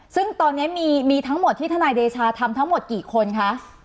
ซึ่งตอนนี้มีทั้งหมดที่ทนายเดชาทำทั้งหมดกี่คนคะ